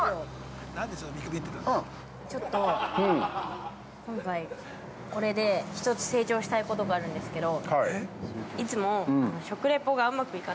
◆ちょっと今回これで、１つ成長したいことがあるんですけど。